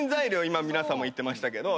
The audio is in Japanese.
今皆さんも言ってましたけど。